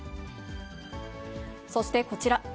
そしてこちら。